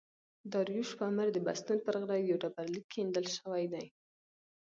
داریوش په امر د بستون پر غره یو ډبر لیک کیندل سوی دﺉ.